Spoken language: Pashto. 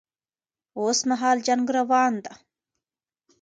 اوس مهال جنګ روان ده